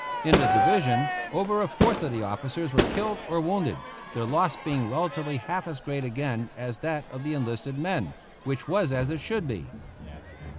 In the division over a fourth of the officers were killed or wounded, their loss being relatively half as great again as that of the enlisted men which was as it should be.